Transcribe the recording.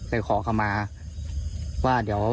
เห็นอะไร